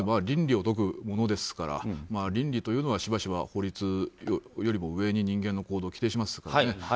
倫理を説くものですから倫理というのはしばしば法律よりも上に人間の行動を規定しますからね。